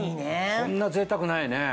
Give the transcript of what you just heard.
こんなぜいたくないね。